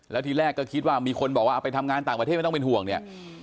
แล้วทีแรกก็คิดว่ามีคนบอกว่าเอาไปทำงานต่างประเทศไม่ต้องเป็นห่วงเนี่ย